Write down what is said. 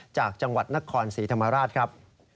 จากจังหวัดนครศรีธรรมราชครับ